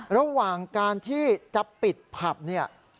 ระหว่างการที่จะปิดผับเนี่ย